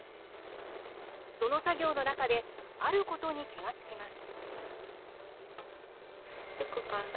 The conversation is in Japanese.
その作業の中で、あることに気が付きます。